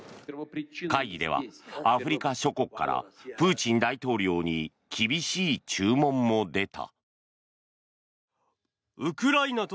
会議ではアフリカ諸国からプーチン大統領に厳しい注文も出た。